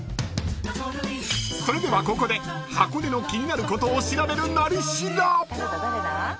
［それではここで箱根の気になることを調べる「なり調」］